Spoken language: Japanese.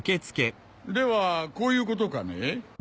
ではこういうことかね？